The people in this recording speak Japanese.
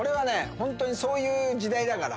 ホントにそういう時代だから。